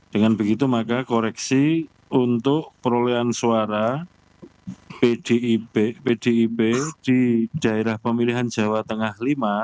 dengan begitu maka koreksi untuk perolehan suara pdip di daerah pemilihan jawa tengah v